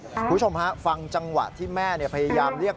คุณผู้ชมฮะฟังจังหวะที่แม่พยายามเรียก